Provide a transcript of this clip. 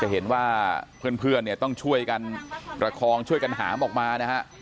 เห็นว่าเพื่อนเนี่ยต้องช่วยกันประคองช่วยกันหามออกมานะฮะ